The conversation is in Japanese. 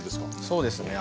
そうですね。